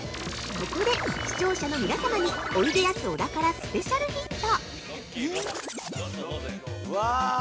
◆ここで視聴者の皆様においでやす小田からスペシャルヒント。